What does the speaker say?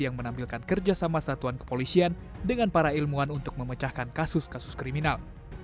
yang menampilkan kerjasama satuan kepolisian dengan para ilmuwan untuk memecahkan kasus kasus kriminal